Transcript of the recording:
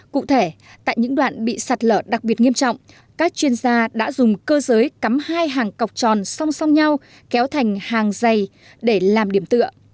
cụ thể tại những đoạn bị sạt lở đặc biệt nghiêm trọng các chuyên gia đã dùng cơ giới cắm hai hàng cọc tròn song song nhau kéo thành hàng dày để làm điểm tựa